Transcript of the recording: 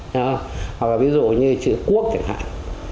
hoặc là ví dụ như chữ quốc chẳng hạn